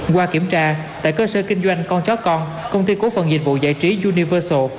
qua kiểm tra tại cơ sở kinh doanh con chó con công ty cố phần dịch vụ giải trí universal